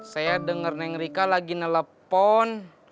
saya denger neng rika lagi nelpon